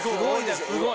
すごい！